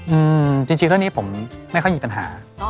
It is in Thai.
อืมจริงเรื่องนี้ผมไม่เข้าในปัญหา